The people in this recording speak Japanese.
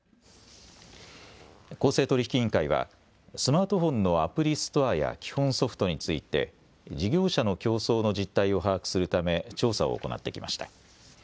公正取引委員会はスマートフォンのアプリストアや基本ソフトについて事業者の競争の実態を把握するため調査を行ってきました。